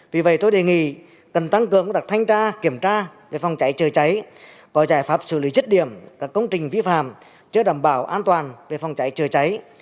vì vậy tôi đề nghị cần tăng cường công tác thanh tra kiểm tra về phòng cháy chữa cháy có giải pháp xử lý dứt điểm các công trình vi phạm chưa đảm bảo an toàn về phòng cháy chữa cháy